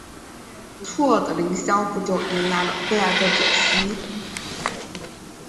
错愕的林萧不久迎来了归来的简溪。